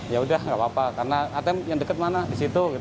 ya udah nggak apa apa karena atm yang dekat mana di situ